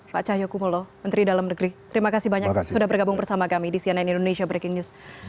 pak cahyokumolo menteri dalam negeri terima kasih banyak sudah bergabung bersama kami di cnn indonesia breaking news